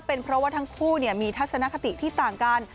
เป็นเพราะว่าทั้งคู่มีทัศนคติที่ต่างกัน